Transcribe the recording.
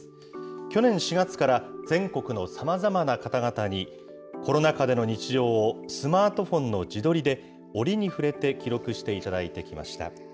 去年４月から全国のさまざまな方々に、コロナ禍での日常をスマートフォンの自撮りで、折に触れて記録していただいてきました。